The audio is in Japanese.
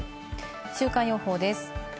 週間予報です。